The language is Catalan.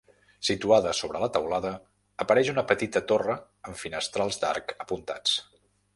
Situada sobre la teulada, apareix una petita torre amb finestrals d'arc apuntats.